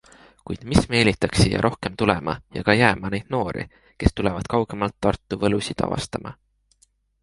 Kuid mis meelitaks siia rohkem tulema ja ka jääma neid noori, kes tulevad kaugemalt Tartu võlusid avastama?